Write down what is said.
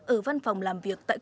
ở văn phòng làm việc tại trung ương